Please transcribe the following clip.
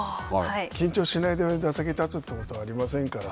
緊張しないで打席に立つということはありませんから。